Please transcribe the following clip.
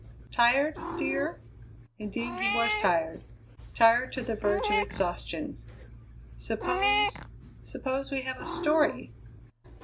Tired, dear?" Indeed he was tired tired to the verge of exhaustion. "Suppose suppose we have a story?